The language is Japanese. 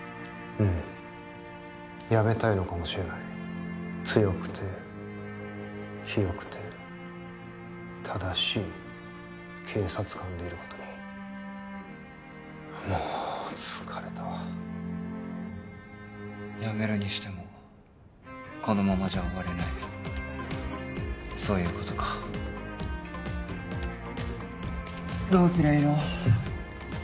うんやめたいのかもしれない強くて清くて正しい警察官でいることにもう疲れたわやめるにしてもこのままじゃ終われないそういうことかどうすりゃいいの？